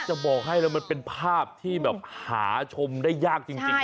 จะบอกให้มันเป็นภาพที่หาชมได้ยากจริงครับ